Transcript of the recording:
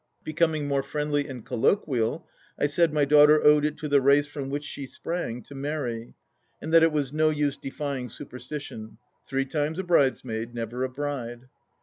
Becoming more friendly and colloquial, I said my daughter owed it to the race from which she sprang to marry, and that it was no use defying superstition—" Three times a bridesmaid, never a bride